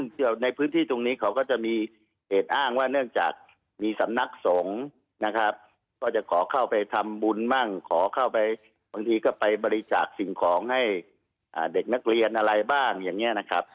เที่ยวในพื้นที่ตรงนี้เขาก็จะมีเหตุอ้างว่าเนื่องจากมีสำนักสงฆ์นะครับก็จะขอเข้าไปทำบุญบ้างขอเข้าไปบางทีก็ไปบริจาคสิ่งของให้เด็กนักเรียนอะไรบ้างอย่างนี้นะครับ